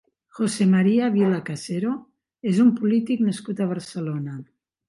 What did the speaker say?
Jose Maria Vila Casero és un polític nascut a Barcelona.